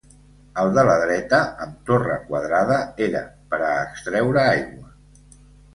El de la dreta, amb torre quadrada, era per a extreure aigua.